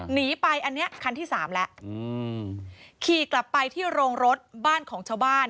หนีไปอันเนี้ยคันที่สามแล้วอืมขี่กลับไปที่โรงรถบ้านของชาวบ้าน